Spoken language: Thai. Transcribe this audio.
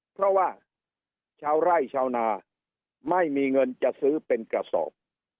เพราะว่าชาวไร่ชาวนาไม่มีเงินจะซื้อเป็นกระสอบ